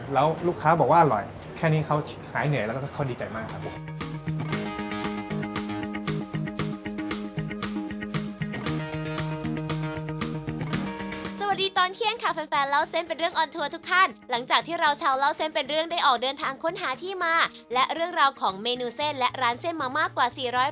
ให้เขาหายเหนื่อยแล้วก็ดีใจมากค่ะ